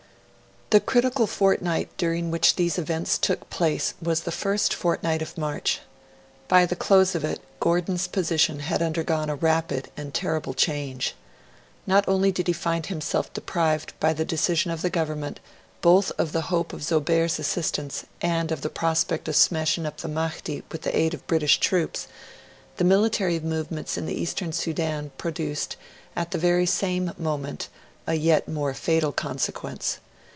The critical fortnight during which these events took place was the first fortnight of March. By the close of it, Gordon's position had undergone a rapid and terrible change. Not only did he find himself deprived, by the decision of the Government, both of the hope of Zobeir's assistance and of the prospect of smashing up the Mahdi with the aid of British troops; the military movements in the Eastern Sudan produced, at the very same moment, a yet more fatal consequence.